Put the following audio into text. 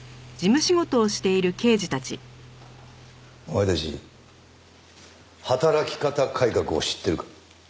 お前たち働き方改革を知っているか？